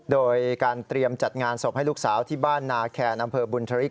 โดยการเตรียมจัดงานศพให้ลูกสาวที่บ้านนาแคนอำเภอบุญธริก